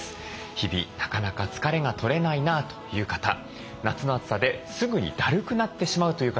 日々なかなか疲れが取れないなという方夏の暑さですぐにだるくなってしまうという方多いのではないでしょうか？